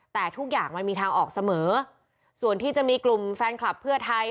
แต่ทุกอย่างมันมีทางออกเสมอส่วนที่จะมีกลุ่มแฟนคลับเพื่อไทย